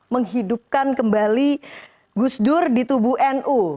menghidupkan kembali gus dur di tubuh nu